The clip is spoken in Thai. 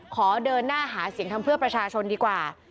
ขอเดินหน้าหาเสียงทำเพื่อประชาชนดีกว่า